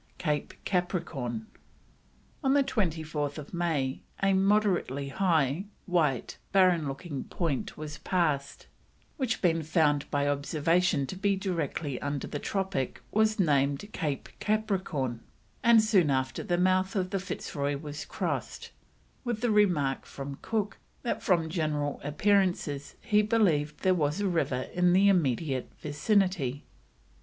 CAPE CAPRICORN. On 24th May a moderately high, white, barren looking point was passed, which being found by observation to be directly under the tropic was named Cape Capricorn, and soon after the mouth of the Fitzroy was crossed, with the remark from Cook that from general appearances he believed there was a river in the immediate vicinity.